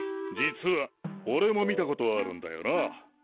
実はおれも見たことあるんだよな。